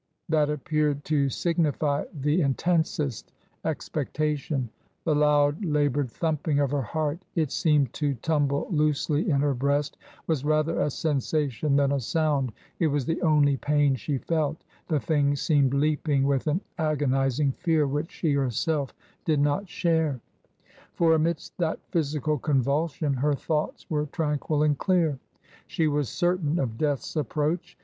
That appeared to signify the intensest expec tation. The loud, laboured thumping of her heart — it seemed to tumble loosely in her breast — was rather a sensation than a sound. It was the only pain she felt. The thing seemed leaping with an agonizing fear which she herself did not share. For amidst that physical convulsion her thoughts were tranquil and clear. She was certain of Death's ap 308 TRANSITION. proach.